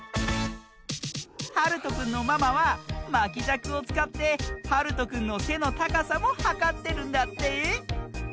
はるとくんのママはまきじゃくをつかってはるとくんのせのたかさもはかってるんだって。